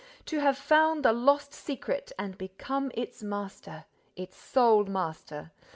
To have found the lost secret and become its master, its sole master!